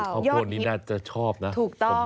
ข้าวโพดนี้น่าจะชอบนะถูกต้อง